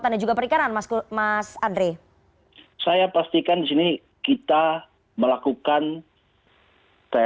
dan siapa saja yang terlibat